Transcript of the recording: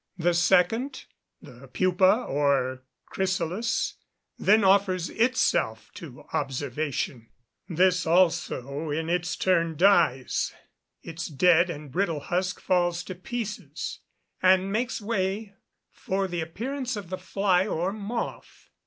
The second, the pupa or chrysalis, then offers itself to observation. This also, in its turn, dies; its dead and brittle husk falls to pieces, and makes way for the appearance of the fly or moth.